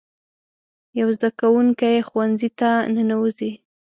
یو زده کوونکی ښوونځي ته ننوځي.